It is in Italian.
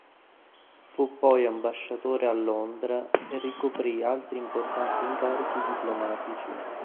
Fu poi ambasciatore a Londra e ricoprì altri importanti incarichi diplomatici.